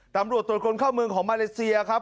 ตำรวจตรวจคนเข้าเมืองของมาเลเซียครับ